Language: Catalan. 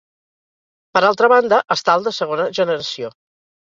Per altra banda està el de segona generació.